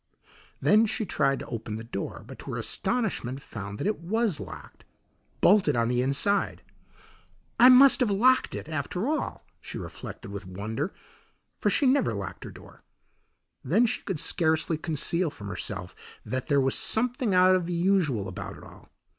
Then she tried to open the door, but to her astonishment found that it was locked bolted on the inside. "I must have locked it, after all," she reflected with wonder, for she never locked her door. Then she could scarcely conceal from herself that there was something out of the usual about it all.